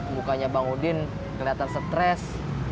mukanya bang udin kelihatan stres